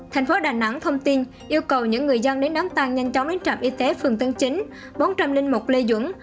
thành phố đà nẵng thông tin yêu cầu những người dân đến đám tang nhanh chóng đến trạm y tế phường tân chính bốn trăm linh một lê dũng